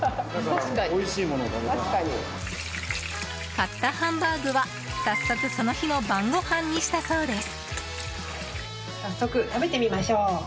買ったハンバーグは、早速その日の晩ごはんにしたそうです。